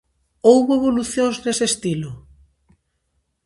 Houbo evolucións nese estilo?